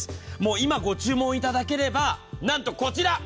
今ご注文いただければ、なんとこちら！